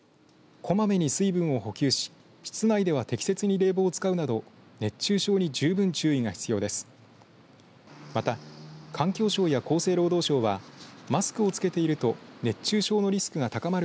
こまめに水分を補給し室内では適切に冷房を使うなど熱中症に十分注意が必要です。